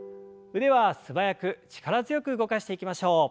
腕は素早く力強く動かしていきましょう。